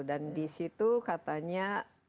dan disitu katanya